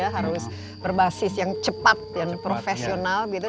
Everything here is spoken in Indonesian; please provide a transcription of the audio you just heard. harus berbasis yang cepat yang profesional gitu